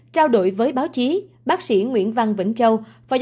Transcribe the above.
trao đổi với báo chí bác sĩ nguyễn văn vĩnh châu